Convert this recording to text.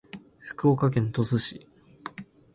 福岡県鳥栖市